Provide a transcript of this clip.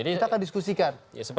kita akan diskusikan